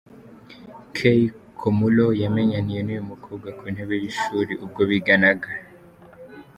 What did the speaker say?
Kei Komuro yamenyaniye n’uyu mukobwa ku ntebe y’ishuli ubwo biganaga.